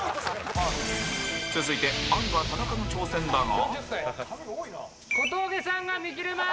続いてアンガ田中の挑戦だが